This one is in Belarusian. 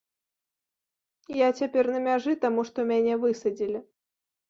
Я цяпер на мяжы, таму што мяне высадзілі.